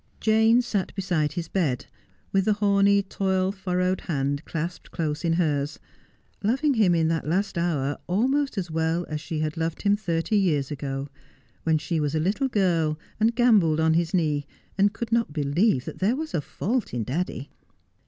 Jane sat beside his bed, with the horny, toil furrowed hand clasped close in hers, loving him in that last hour almost as well as she had loved him thirty years ago, when she was a little girl and gambolled on his knee, and could not believe that there was a fault in daddy.